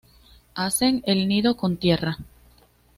Hacen el nido con tierra.